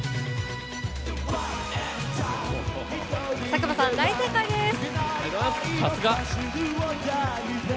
佐久間さん、大正解です！